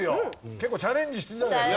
結構チャレンジしてたよね。